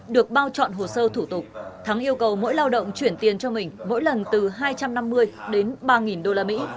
được bao chọn hồ sơ thủ tục thắng yêu cầu mỗi lao động chuyển tiền cho mình mỗi lần từ hai trăm năm mươi đến ba usd